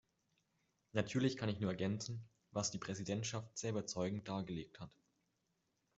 Natürlich kann ich nur ergänzen, was die Präsidentschaft sehr überzeugend dargelegt hat.